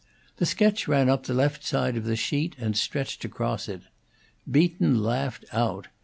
The sketch ran up the left side of the sheet and stretched across it. Beaton laughed out.